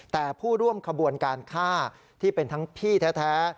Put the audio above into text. แต่ผู้ร่วมขบวนการฆ่าที่เป็นทั้งพี่แท้